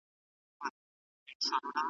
کیـږده زنګـون د مودو ســـتړی یم دمه به شمه